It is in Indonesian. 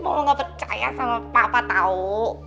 mama ga percaya sama tapi tahu